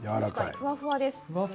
ふわふわです。